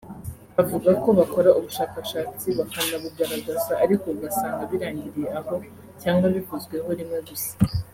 avuga ko bakora ubushakashatsi bakanabugaragaza ariko ugasanga birangiriye aho cyangwa bivuzweho rimwe gusa